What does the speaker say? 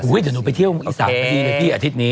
โอ้ยเดี๋ยวหนูไปเที่ยวอาทิตย์อาทิตย์อาทิตย์นี้